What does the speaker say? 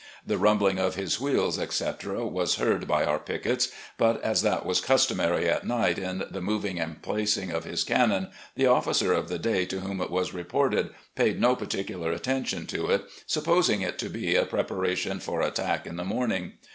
The rumbling of his wheels, etc., was heard by our pickets, but as that was customary at night in the moving and placing of his cannon, the officer of the day to whom it was reported paid no particular attention to it, supposing it to be a preparation for attack in the morning.